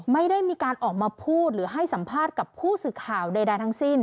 ไม่ได้มีการออกมาพูดหรือให้สัมภาษณ์กับผู้สื่อข่าวใดทั้งสิ้น